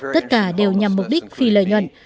tất cả đều nhằm mục đích phi lợi nhuận